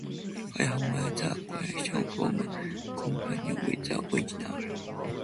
I have made the correction from a comparison with the original.